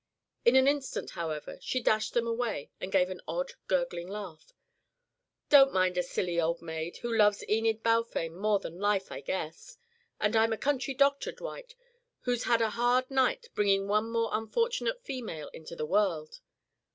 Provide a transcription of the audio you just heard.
In an instant, however, she dashed them away and gave an odd gurgling laugh. "Don't mind a silly old maid who loves Enid Balfame more than life, I guess. And I'm a country doctor, Dwight, who's had a hard night bringing one more unfortunate female into the world.